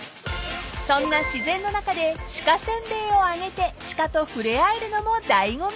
［そんな自然の中で鹿せんべいをあげて鹿と触れ合えるのも醍醐味］